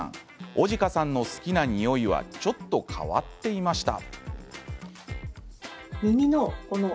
男鹿さんの好きな匂いはちょっと変わっていました。